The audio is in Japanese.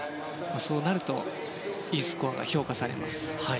そうなるとＥスコアが評価されます。